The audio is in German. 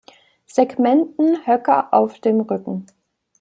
Segmenten Höcker auf dem Rücken.